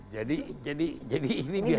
jadi jadi jadi ini biar